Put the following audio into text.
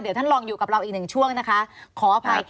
เดี๋ยวท่านลองอยู่กับเราอีกหนึ่งช่วงนะคะขออภัย